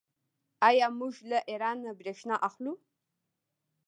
آیا موږ له ایران بریښنا اخلو؟